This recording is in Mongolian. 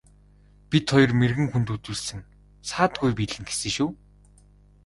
Бид хоёр мэргэн хүнд үзүүлсэн саадгүй биелнэ гэсэн шүү.